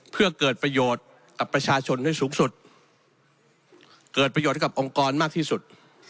เพื่อเกิดประโยชน์กับประชาชนให้สูงสุดเกิดประโยชน์ให้กับองค์กรมากที่สุด